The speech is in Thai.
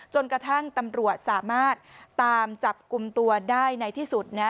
จนกระทั่งตำรวจสามารถตามจับกลุ่มตัวได้ในที่สุดนะ